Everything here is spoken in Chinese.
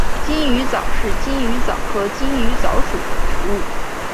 金鱼藻是金鱼藻科金鱼藻属的植物。